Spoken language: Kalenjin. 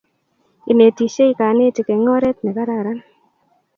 Inetisye kanetik eng' oret ne kararan